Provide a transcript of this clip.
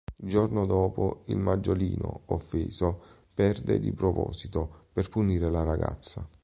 Il giorno dopo il maggiolino, offeso, perde di proposito, per punire la ragazza.